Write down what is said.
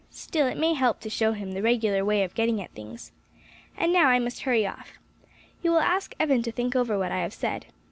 Still, it may help to show him the regular way of getting at things. And now I must hurry off. You will ask Evan to think over what I have said.